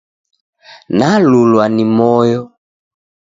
Nalulwa ni moyo.